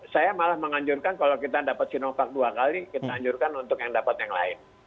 saya malah menganjurkan kalau kita dapat sinovac dua kali kita anjurkan untuk yang dapat yang lain